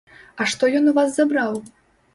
А што ён у вас забраў?